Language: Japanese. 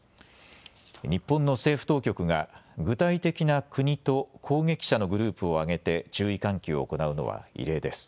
日本の政府当局が具体的な国と攻撃者のグループを上げて注意喚起を行うのは異例です。